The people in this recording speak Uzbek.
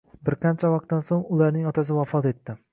Bir qancha vaqtdan soʻng ularning otasi vafot etdi